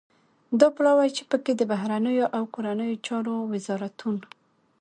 دا پلاوی چې پکې د بهرنیو او کورنیو چارو وزارتون